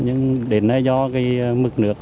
nhưng đến nay do mực nước